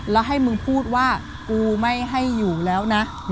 แล้วให้มึงพูดว่ากูไม่ให้อยู่แล้วนะ